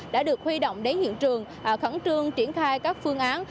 đã được huy động đến hiện trường khẩn trương triển khai các phương án